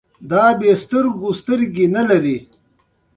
دلته هر یو چي راغلی خپل نوبت یې دی تېر کړی